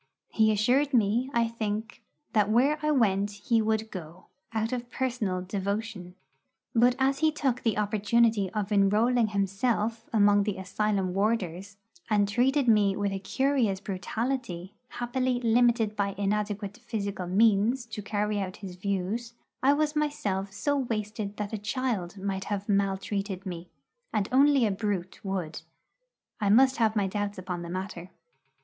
He assured me, I think, that where I went he would go, out of personal devotion. But as he took the opportunity of enrolling himself among the asylum warders, and treated me with a curious brutality, happily limited by inadequate physical means to carry out his views I was myself so wasted that a child might have maltreated me, and only a brute would I must have my doubts upon the matter.